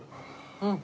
うん！